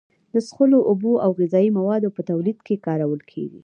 د څښلو اوبو او غذایي موادو په تولید کې کارول کیږي.